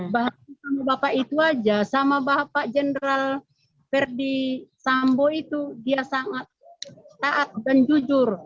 bahkan sama bapak itu aja sama bapak jenderal verdi sambo itu dia sangat taat dan jujur